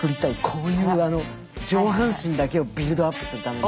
こういうあの上半身だけをビルドアップするための。